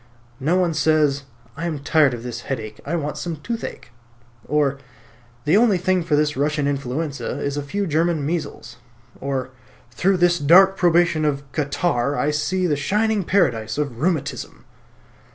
No one says "I am tired of this headache; I want some toothache," or "The only thing for this Russian influenza is a few German measles," or "Through this dark probation of catarrh I see the shining paradise of rheumatism."